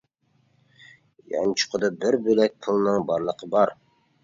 يانچۇقىدا بىر بۆلەك پۇلىنىڭ بارلىقى بار.